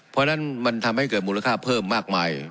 เพราะฉะนั้นมันทำให้เกิดมูลค่าเพิ่มมากมาย